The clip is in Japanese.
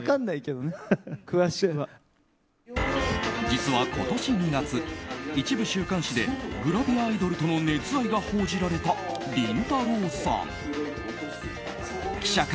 実は今年２月、一部週刊誌でグラビアアイドルとの熱愛が報じられた、りんたろー。